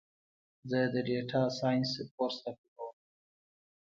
زه د ډیټا ساینس کورس تعقیبوم.